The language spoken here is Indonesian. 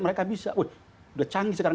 mereka bisa udah canggih sekarang